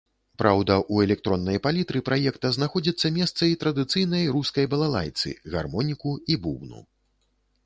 Праўда, у электроннай палітры праекта знаходзіцца месца і традыцыйнай рускай балалайцы, гармоніку і бубну.